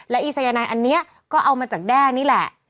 และอีสายนายอันนี้ก็เอามาจากแด้นี่แหละ